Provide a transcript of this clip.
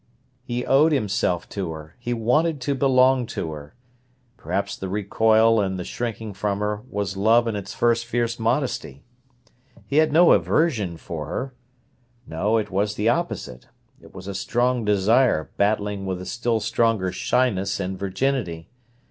He owed himself to her; he wanted to belong to her. Perhaps the recoil and the shrinking from her was love in its first fierce modesty. He had no aversion for her. No, it was the opposite; it was a strong desire battling with a still stronger shyness and virginity.